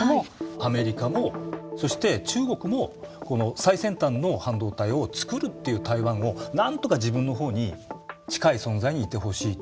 アメリカもそして中国も最先端の半導体をつくるっていう台湾をなんとか自分の方に近い存在にいてほしいと。